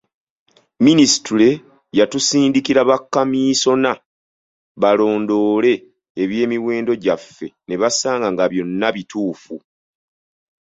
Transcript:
Minisitule yatusindikira bakomiisona balondoole eby’emiwendo gyaffe ne basanga nga byonna bituufu.